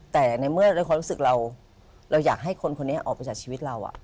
แต่ในเมื่อด้วยความรู้สึกเราอยากให้คนคนนี้ออกไปจากชีวิตเรา